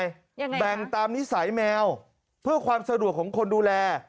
ยังไงแบ่งตามนิสัยแมวเพื่อความสะดวกของคนดูแล